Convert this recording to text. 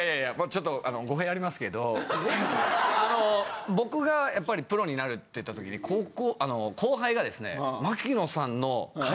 ちょっと語弊ありますけどあの僕がやっぱりプロになるっていったときに後輩がですね。